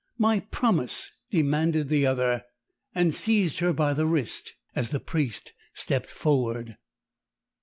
"My promise!" demanded the other, and seized her by the wrist as the priest stepped forward.